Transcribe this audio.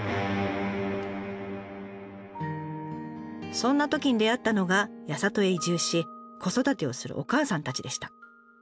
そんなときに出会ったのが八郷へ移住し子育てをするお母さんたちでした。